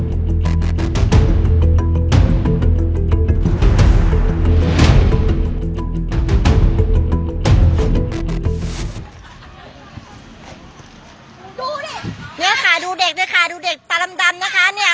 ดูดิเนี่ยค่ะดูเด็กด้วยค่ะดูเด็กตาดำนะคะเนี่ย